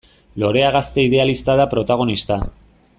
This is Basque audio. Lorea gazte idealista da protagonista.